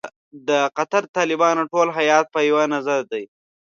د قطر د طالبانو ټول هیات په یوه نظر دی.